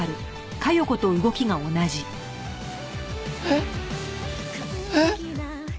えっ？えっ？